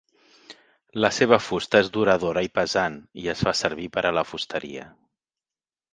La seva fusta és duradora i pesant i es fa servir per a la fusteria.